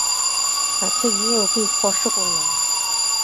কাছে গিয়ে ওকে স্পর্শ করলাম।